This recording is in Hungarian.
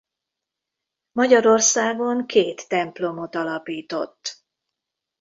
Magyarországon két templomot alapított.